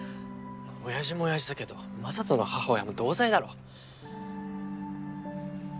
親父も親父だけど雅人の母親も同罪だろ。